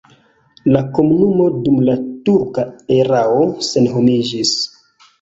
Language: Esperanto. La komunumo dum la turka erao senhomiĝis.